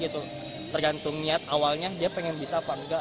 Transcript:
tergantung niat awalnya dia pengen bisa apa enggak